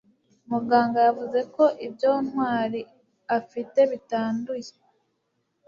muganga yavuze ko ibyo ntwali afite bitanduye